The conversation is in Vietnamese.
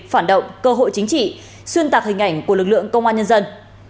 phản động cơ hội chính trị xuyên tạc hình ảnh của lực lượng công an nhân dân